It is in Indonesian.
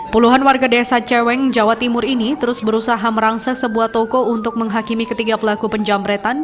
puluhan warga desa ceweng jawa timur ini terus berusaha merangsek sebuah toko untuk menghakimi ketiga pelaku penjamretan